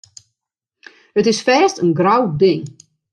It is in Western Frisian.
It is fêst in grou ding.